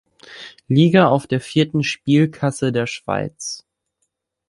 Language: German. Liga auf, der vierten Spielklasse der Schweiz.